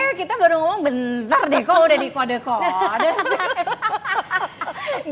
iya kita baru ngomong bentar deh kok udah di kode kode sih